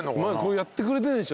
やってくれてんでしょ。